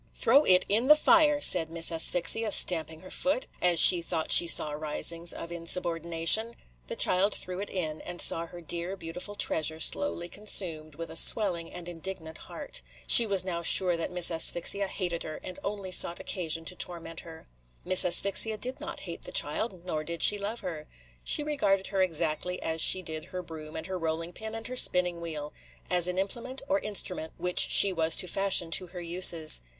"Throw it in the fire," said Miss Asphyxia, stamping her foot, as she thought she saw risings of insubordination. The child threw it in, and saw her dear, beautiful treasure slowly consumed, with a swelling and indignant heart. She was now sure that Miss Asphyxia hated her, and only sought occasion to torment her. Miss Asphyxia did not hate the child, nor did she love her. She regarded her exactly as she did her broom and her rolling pin and her spinning wheel, – as an implement or instrument which she was to fashion to her uses.